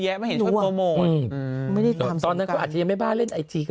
เยอะไม่เห็นช่วยโปรโมตอนนั้นก็อาจจะยังไม่บ้าเล่นไอจีกัน